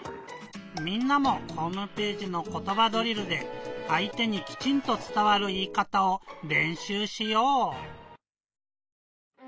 みんなもホームページの「ことばドリル」であい手にきちんとつたわるいいかたをれんしゅうしよう！